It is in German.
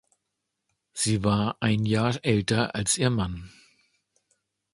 Sie war ein Jahr älter als ihr Mann.